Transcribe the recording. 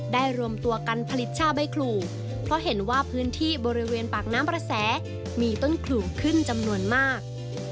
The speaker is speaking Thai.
ได้รวมตัวกันผลิตชาใบขรูเพราะเห็นว่าพื้นที่มีต้นขลุขึ้นจำนวนมาก